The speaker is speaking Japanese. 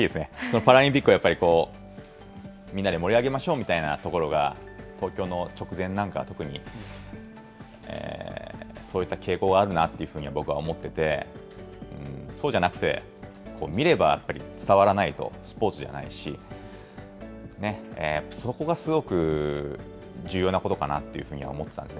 パラリンピックはやっぱりこう、みんなで盛り上げましょうみたいなところが、東京の直前なんかは、特にそういった傾向があるなというふうに僕は思ってて、そうじゃなくて、見ればやっぱり伝わらないとスポーツじゃないし、やっぱり、そこがすごく重要なことかなというふうには思ってたんですね。